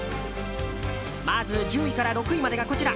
まず１０位から６位までがこちら。